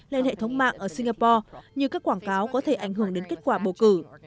lên hệ thống mạng ở singapore như các quảng cáo có thể ảnh hưởng đến kết quả bầu cử